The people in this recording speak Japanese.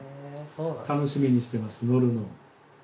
楽しみにしてます乗るのを。